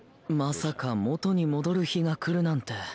まさか元に戻る日がくるなんて。